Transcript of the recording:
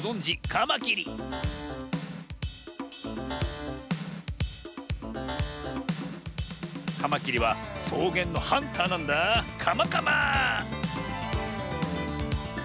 カマキリはそうげんのハンターなんだカマカマ。